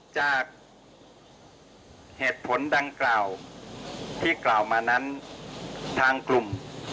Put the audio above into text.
จากเหตุผลดังกล่าวที่กล่าวมานั้นทางกลุ่ม